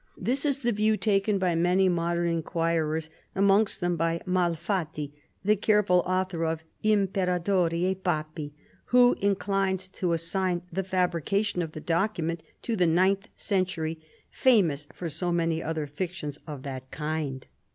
This is tlie view taken by many modern iiKjuirers, amongst others by Maifatti (the careful author of " Imperatori e Papi "), who inclines to assijirn the fabrication of the document to the ninth century, " famous for so many other fictions of that kind," FALL OF THE LOMBARD MONARCHY.